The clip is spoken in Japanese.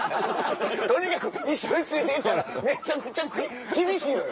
とにかく一緒についていったらめちゃくちゃ厳しいのよ。